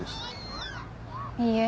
いいえ。